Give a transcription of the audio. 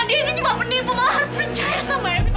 bikin lu ingin dihormati